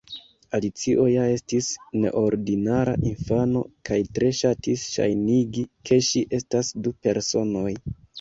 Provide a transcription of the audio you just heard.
Alicio ja estis neordinara infano kaj tre ŝatis ŝajnigi ke ŝi estas du personoj.